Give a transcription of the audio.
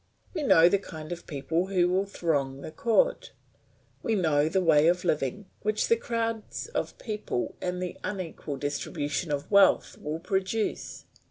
We know the kind of people who will throng the court. We know the way of living which the crowds of people and the unequal distribution of wealth will produce.